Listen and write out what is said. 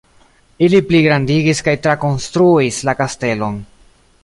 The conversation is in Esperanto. Ili pligrandigis kaj trakonstruis la kastelon.